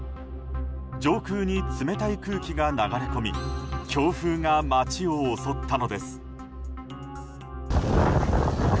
上空に冷たい空気が流れ込み強風が町を襲ったのです。